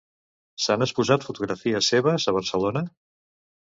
S'han exposat fotografies seves a Barcelona?